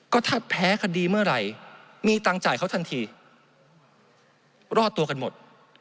ก็ถ้าแพ้คดีเมื่อไหร่มีตังค์จ่ายเขาทันทีรอดตัวกันหมด